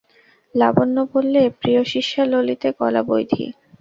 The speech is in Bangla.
লাবণ্য বললে, প্রিয়শিষ্যা ললিতে কলাবিধৌ।